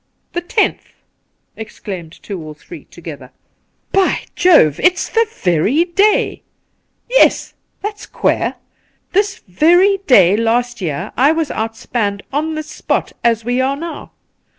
' The tenth !' exclaimed two or three together. 174 The Pool ' By Jove I it's the very day. Yes, that's queer. This very day last year I was outspanned on this spot, as we are now.